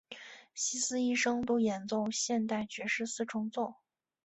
希斯一生都演奏现代爵士四重奏。